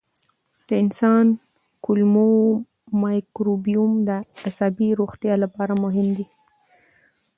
د انسان کولمو مایکروبیوم د عصبي روغتیا لپاره مهم دی.